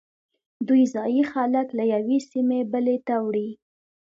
دوی ځایی خلک له یوې سیمې بلې ته وړي